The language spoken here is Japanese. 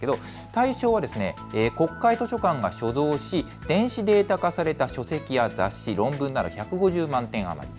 対象は国会図書館が所蔵し電子データ化された書籍や雑誌、論文など１５０万点余り。